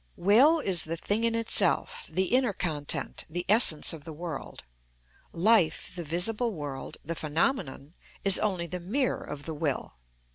Will is the thing in itself, the inner content, the essence of the world. Life, the visible world, the phenomenon, is only the mirror of the will.